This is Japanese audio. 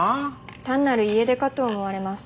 単なる家出かと思われます